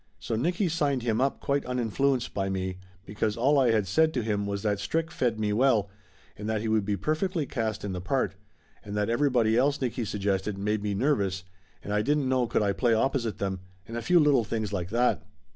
So Nicky signed him up quite uninfluenced by me, because all I had said to him was that Strick fed me well, and that he would be perfectly cast in the part, and that everybody else Nicky suggested made me nervous and I didn't know could I play opposite them, and a few little things like that.